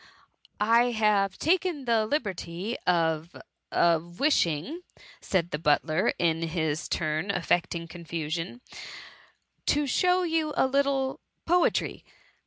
^" I have taken the liberty of — of — wishing,"" said the butler, in his turn affecting confusion, " to show you a little poetry.